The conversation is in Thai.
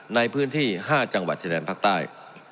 ในพื้นที่๕จังหวัดชายแดนภาคใต้